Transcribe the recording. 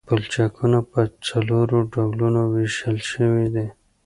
پلچکونه په څلورو ډولونو ویشل شوي دي